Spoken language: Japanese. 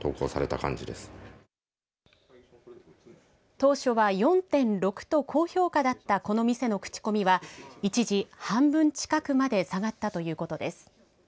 当初は４．６と高評価だったこの店のクチコミは一時、半分近くまで下がったということです。